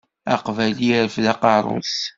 Aqbayli irfed aqerru-s.